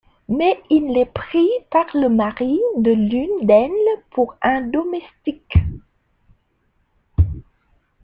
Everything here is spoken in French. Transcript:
Mais il est pris par le mari de l'une d'elles pour un domestique.